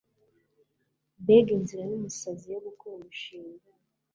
Mbega inzira yumusazi yo gukora umushinga